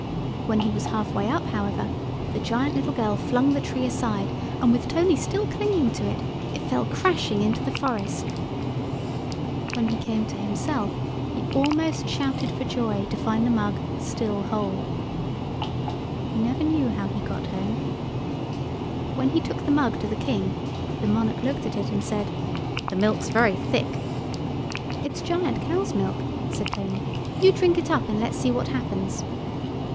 When he was half way up, however, the giant little girl flung the tree aside, and with Tony still clinging to it, it fell crashing into the forest. When he came to himself he almost shouted for joy to find the mug still whole. [Illustration: TONY AMONG THE ROCKS IN THE BREAD AND MILK BASIN.] He never knew how he got home. When he took the mug to the King the monarch looked at it, and said— "The milk's very thick." "It's giant cow's milk," said Tony, "you drink it up and let's see what happens."